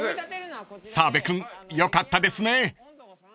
［澤部君よかったですね］